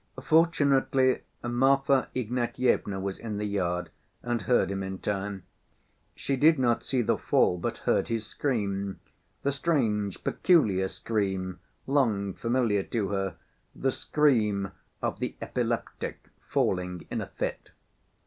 Fortunately, Marfa Ignatyevna was in the yard and heard him in time. She did not see the fall, but heard his scream—the strange, peculiar scream, long familiar to her—the scream of the epileptic falling in a fit.